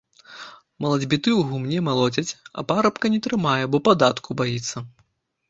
Малацьбіты ў гумне малоцяць, а парабка не трымае, бо падатку баіцца.